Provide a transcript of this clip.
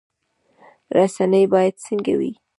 رسنۍ باید څنګه وي؟